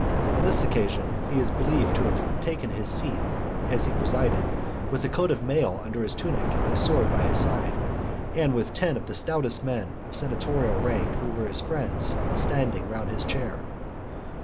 On this occasion he is believed to have taken his seat as he presided, with a coat of mail under his tunic, and a sword by his side, and with ten of the stoutest men of senatorial rank, who were his friends, standing round his chair.